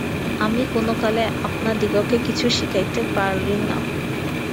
আমি কোন কালে আপনাদিগকে কিছু শিখাইতে পারি না।